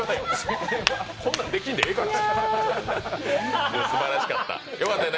こんなんできんでええからな。